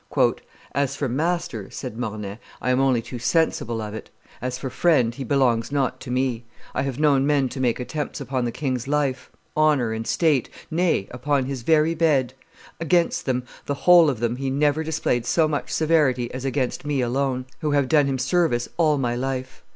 "As for master," said Mornay, "I am only too sensible of it; as for friend, he belongs not to me: I have known men to make attempts upon the king's life, honor, and state, nay, upon his very bed; against them, the whole of them, he never displayed so much severity as against me alone, who have done him service all my life."